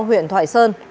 huyện thoại sơn